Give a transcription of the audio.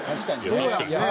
そうやんね。